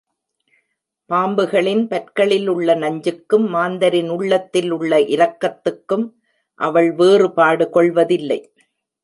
பாம்புகளின் பற்களில் உள்ள நஞ்சுக்கும் மாந்தரின் உள்ளத்தில் உள்ள இரக்கத்துக்கும் அவள் வேறுபாடு கொள்வதில்லை.